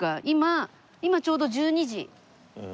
今今ちょうど１２時。